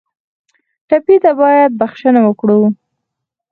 ټپي ته باید بښنه ورکړو.